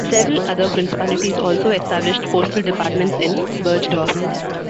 Several other principalities also established postal departments in Bergedorf.